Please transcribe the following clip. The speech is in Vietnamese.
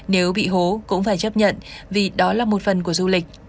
nếu bị hố cũng phải chấp nhận vì đó là một phần của du lịch